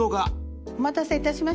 お待たせいたしました。